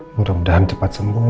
mudah mudahan cepat sembuh